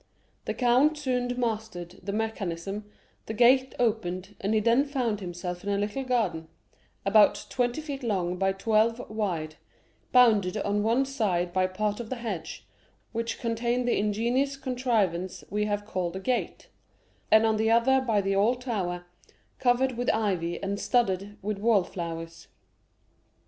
The count soon mastered the mechanism, the gate opened, and he then found himself in a little garden, about twenty feet long by twelve wide, bounded on one side by part of the hedge, which contained the ingenious contrivance we have called a gate, and on the other by the old tower, covered with ivy and studded with wall flowers.